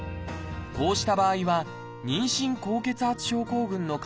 こうした場合は妊娠高血圧症候群の可能性があります。